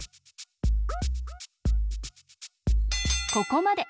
ここまで！